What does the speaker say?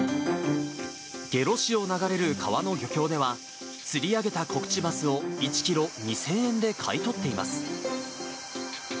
下呂市を流れる川の漁協では、釣り上げたコクチバスを、１キロ２０００円で買い取っています。